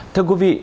thưa quý vị